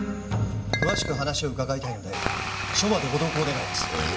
詳しく話を伺いたいので署までご同行願います。